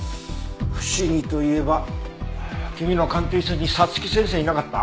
不思議といえば君の鑑定室に早月先生いなかった？